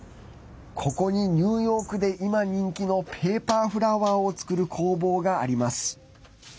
ここにニューヨークで今、人気のペーパーフラワーを作る工房があります。